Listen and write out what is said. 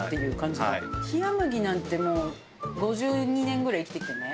冷麦なんてもう５２年ぐらい生きてきてね